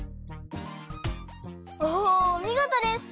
おみごとです！